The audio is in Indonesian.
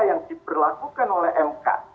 yang diperlakukan oleh mk